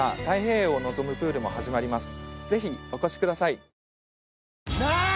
ぜひお越しください！